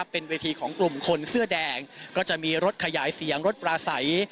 เป็นเวทีของกลุ่มคนเสื้อแดงก็จะมีรถขยายเสียงรถปลาใส